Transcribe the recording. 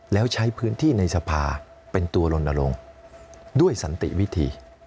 แล้วใช้พื้นที่ในสภาเป็นตัวลนลงด้วยสันติวิธี